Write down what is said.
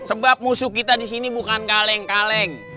sebab musuh kita disini bukan kaleng kaleng